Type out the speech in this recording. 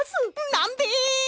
なんで！？